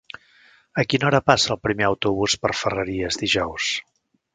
A quina hora passa el primer autobús per Ferreries dijous?